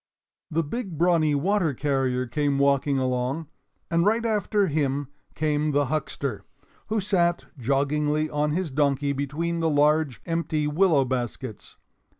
The big brawny water carrier came walking along, and right after him came the huckster, who sat joggingly on his donkey between the large empty willow baskets.